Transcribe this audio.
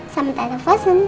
sama tata fasun